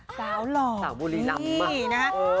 สาวหล่อสาวบุรีหลำมาก